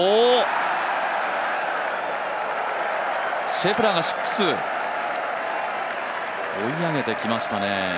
シェフラーが６、追い上げてきましたね。